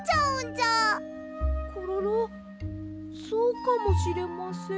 コロロそうかもしれません。